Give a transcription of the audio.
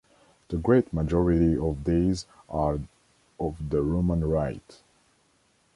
The great majority of these are of the Roman Rite.